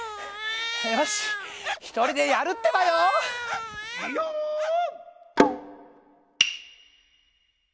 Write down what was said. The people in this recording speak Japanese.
よしひとりでやるってばよ！・イヨーオ！